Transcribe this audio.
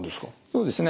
そうですね。